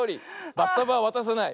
バスタブはわたさない。